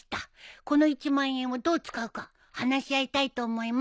この１万円をどう使うか話し合いたいと思います。